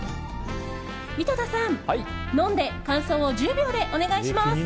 井戸田さん、飲んで感想を１０秒でお願いします。